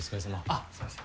あすいません。